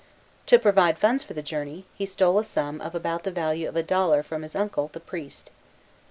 To provide funds for the journey, he stole a sum of about the value of a dollar from his uncle, the priest.